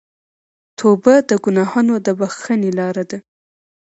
توبه د ګناهونو د بخښنې لاره ده.